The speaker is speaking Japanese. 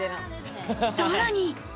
さらに。